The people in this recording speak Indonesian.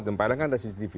tempelan kan ada cctv